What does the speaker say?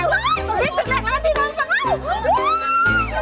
ไม่มันเข้าบิ๊กตึกแหลกแล้วมันทิ้งมากมันเข้า